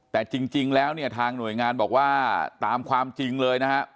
แต่จริงแล้วเนี่ยทางหน่วยงานบอกว่าตามความจริงเลยนะฮะ